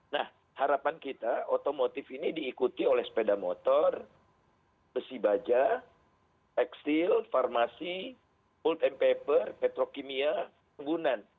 nah harapan kita otomotif ini diikuti oleh sepeda motor besi baja tekstil farmasi world and paper petrokimia penggunaan